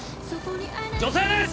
女性です！